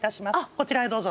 こちらへどうぞ。